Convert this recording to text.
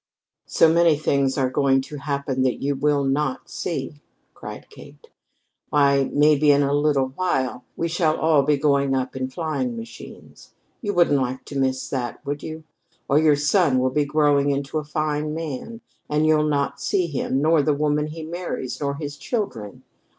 "So many things are going to happen that you will not see!" cried Kate. "Why, maybe in a little while we shall all be going up in flying machines! You wouldn't like to miss that, would you? Or your son will be growing into a fine man and you'll not see him nor the woman he marries nor his children."